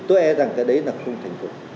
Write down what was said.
tôi e rằng cái đấy là không thành công